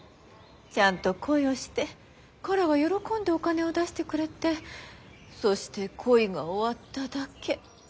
ちゃんと恋をして彼が喜んでお金を出してくれてそして恋が終わっただけ。